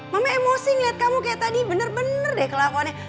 mama emosi ngeliat kamu kayak tadi bener bener deh kelakuannya